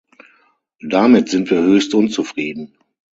Damit sind wir höchst unzufrieden.